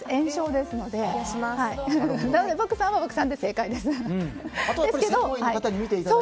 なので、漠さんは漠さんで正解です。